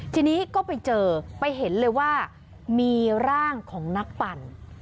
ทีนี้ก็ไปเจอไปเห็นเลยว่ามีร่างของนักปั่น